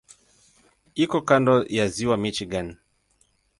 Iko kando ya Ziwa Michigan.